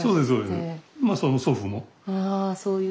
ああそういう。